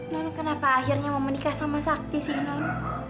nenek kenapa akhirnya mau menikah sama sakti sih non